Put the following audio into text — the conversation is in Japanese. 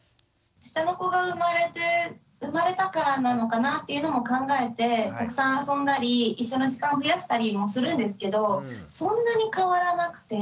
下の子が生まれたからなのかなっていうのも考えてたくさん遊んだり一緒の時間を増やしたりもするんですけどそんなに変わらなくて。